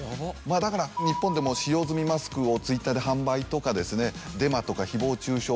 だから日本でも使用済みマスクをＴｗｉｔｔｅｒで販売とかデマとか誹謗中傷